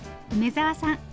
梅沢さん